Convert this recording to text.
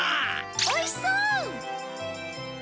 おいしそう！